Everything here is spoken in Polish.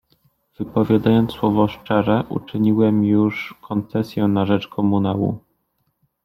Wypowiadając słowo „szczere”, uczyniłem już koncesję na rzecz komunału.